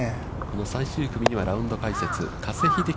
最終組にはラウンド解説、加瀬秀樹